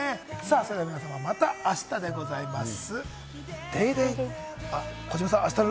それでは皆さん、またあしたでございます。